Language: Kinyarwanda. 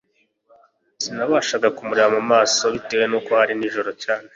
sinabashaga kumureba mumaso bitewe nuko hari ninjoro cyane